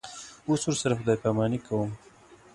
اوس ورسره خدای پاماني کوم.